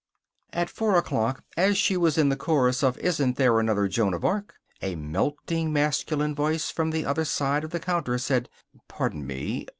At four o'clock, as she was in the chorus of "Isn't There Another Joan of Arc?" a melting masculine voice from the other side of the counter said "Pardon me.